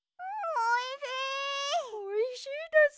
おいしいです！